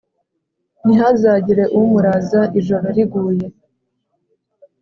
ntihazagire umuraza ijoro riguye,